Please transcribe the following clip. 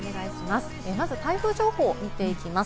まず台風情報を見ていきます。